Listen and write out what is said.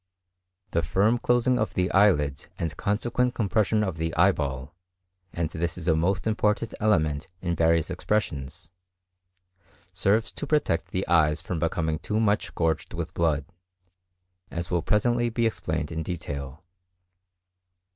Plate I. The firm closing of the eyelids and consequent compression of the eyeball,—and this is a most important element in various expressions,—serves to protect the eyes from becoming too much gorged with blood, as will presently be explained in detail.